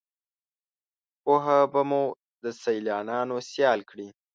پوهه به مو دسیالانوسیال کړي